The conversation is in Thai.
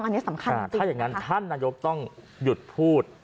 อันนี้สำคัญถ้าอย่างนั้นท่านนายกต้องหยุดพูด